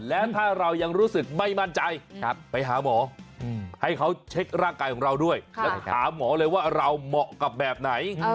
และถ้าเรายังรู้สึกไม่มั่นใจไปหาหมอให้เขาเช็คร่างกายของเราด้วยแล้วถามหมอเลยว่าเราเหมาะกับแบบไหน